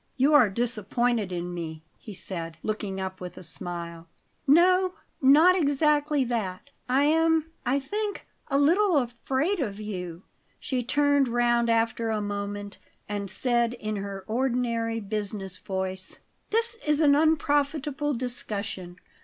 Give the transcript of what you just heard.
"You are disappointed in me?" he said, looking up with a smile. "No; not exactly that. I am I think a little afraid of you." She turned round after a moment and said in her ordinary business voice: "This is an unprofitable discussion.